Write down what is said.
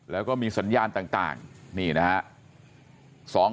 แล้วก็มีสัญญาณต่าง